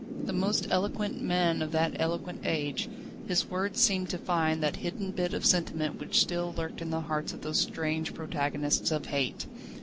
The most eloquent man of that eloquent age, his words seemed to find that hidden bit of sentiment which still lurked in the hearts of these strange protagonists of Hate.